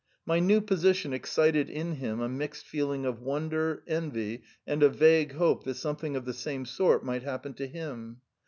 My new position gave him a mixed feeling of astonish ment, envy, and vague hope that something of the sort might happen to him.